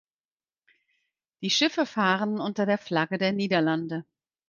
Die Schiffe fahren unter der Flagge der Niederlande.